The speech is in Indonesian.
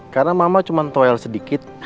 karena mama cuma toel sedikit